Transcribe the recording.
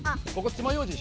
「つまようじ」。